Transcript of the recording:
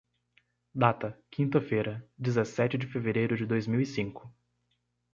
Data: quinta-feira, dezessete de fevereiro de dois mil e cinco.